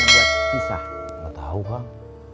nggak tahu kang